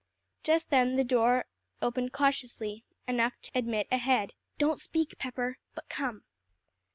Just then the door opened cautiously, enough to admit a head. "Don't speak, Pepper, but come."